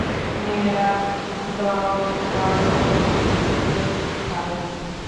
মেয়েরা দমকলকর্মী হতে পারে না।